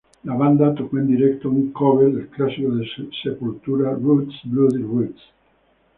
La banda tocó en directo un cover del clásico de Sepultura "Roots Bloody Roots".